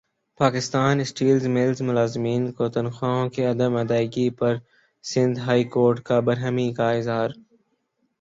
Pakistan Steels ملزملازمین کو تنخواہوں کی عدم ادائیگی پرسندھ ہائی کورٹ کا برہمی کااظہار